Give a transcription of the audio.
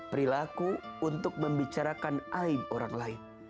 perilaku untuk membicarakan aib orang lain